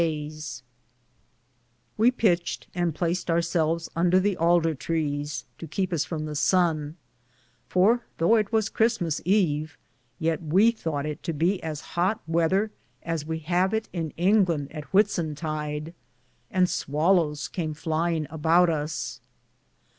S7 3 dayes, we pitched and placed ourselves under the alder trees, to kepe us from the son ; for thoughe it was Christmas eve, yeat we thoughte it to be as hoate wether as we have it in Inglande at Whitsontide, and swallowes came fliinge a bout us.